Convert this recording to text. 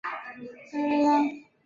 艾佛杰克生长于荷兰斯派克尼瑟。